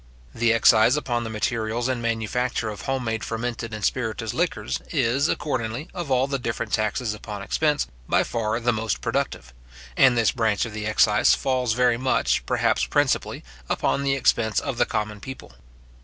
The excise upon the materials and manufacture of home made fermented and spirituous liquors, is, accordingly, of all the different taxes upon expense, by far the most productive; and this branch of the excise falls very much, perhaps principally, upon the expense of the common people.